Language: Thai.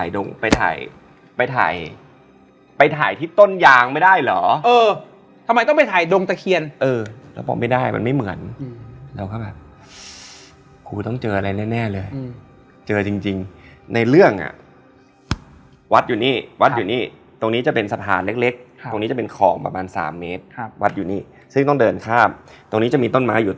ด่าเลยมึงจะเอายังไง